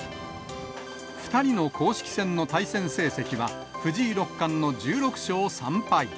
２人の公式戦の対戦成績は、藤井六冠の１６勝３敗。